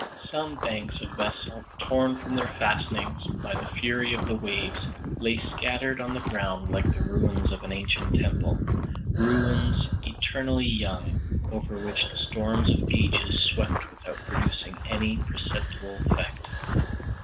Some banks of basalt, torn from their fastenings by the fury of the waves, lay scattered on the ground like the ruins of an ancient temple ruins eternally young, over which the storms of ages swept without producing any perceptible effect!